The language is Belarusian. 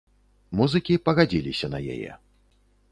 Музыкі пагадзіліся на яе.